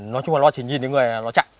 nói chung là nó chỉ nhìn đến người là nó chạy